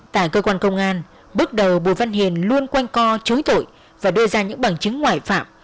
tại cơ quan công an bước đầu bùi văn hiền luôn quanh co chối tội và đưa ra những bằng chứng ngoại phạm